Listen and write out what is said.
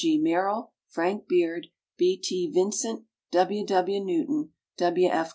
G. MERRILL, FRANK BEARD, B. T. VINCENT, W. W. NEWTON, W. F.